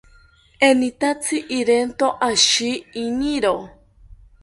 Enitatzi irento ashi iniro